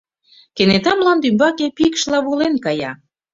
Кенета мланде ӱмбаке пикшла волен кая.